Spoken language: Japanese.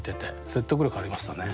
説得力ありましたね。